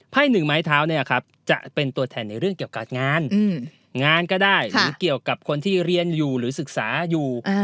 หนึ่งไม้เท้าเนี่ยครับจะเป็นตัวแทนในเรื่องเกี่ยวกับงานงานก็ได้หรือเกี่ยวกับคนที่เรียนอยู่หรือศึกษาอยู่